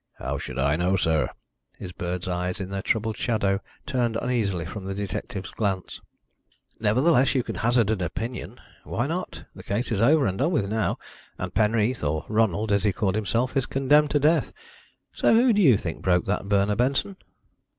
"How should I know, sir?" His bird's eyes, in their troubled shadow, turned uneasily from the detective's glance. "Nevertheless, you can hazard an opinion. Why not? The case is over and done with now, and Penreath or Ronald, as he called himself is condemned to death. So who do you think broke that burner, Benson?"